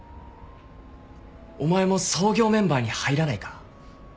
お前も創業メンバーに入らないか？